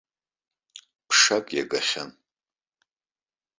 Ԥшак иагахьан.